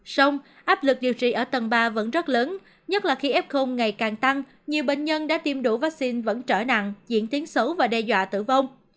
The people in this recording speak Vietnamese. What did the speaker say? xong áp lực điều trị ở tầng ba vẫn rất lớn nhất là khi ép khung ngày càng tăng nhiều bệnh nhân đã tiêm đủ vaccine vẫn trở nặng diễn tiếng xấu và đe dọa tử vong